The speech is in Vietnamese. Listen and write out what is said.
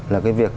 là cái việc